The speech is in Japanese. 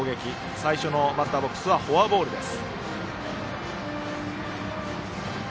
最初のバッターボックスはフォアボールです。